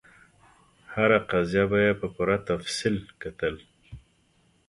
هره قضیه به یې په پوره تفصیل کتل.